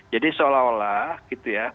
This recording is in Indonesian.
jadi seolah olah gitu ya